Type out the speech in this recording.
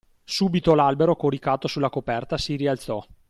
Subito l’albero coricato su la coperta si rialzò